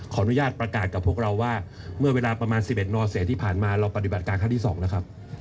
ขออนุญาตประกาศกับพวกเราว่าเมื่อเวลาประมาณ๑๑นเศษที่ผ่านมาเราปฏิบัติการครั้งที่๒แล้วครับ